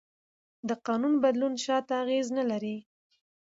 د قانون بدلون شاته اغېز نه لري.